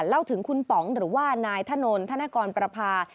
เล่าถึงคุณป๋องหรือว่านายถนนธนกรประพา